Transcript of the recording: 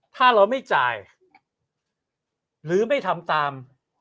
ถ้าเราไม่จ่ายหรือไม่ทำตาม